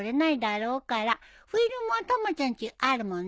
フィルムはたまちゃんちあるもんね。